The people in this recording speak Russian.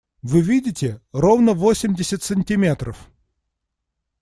Вы видите? Ровно восемьдесят сантиметров!